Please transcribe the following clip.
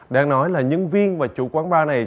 đang nói là nhân viên và chủ quán bar này